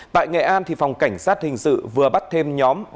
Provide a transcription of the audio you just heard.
tại nghệ an phòng cảnh sát hình sự vừa bắt thêm nhóm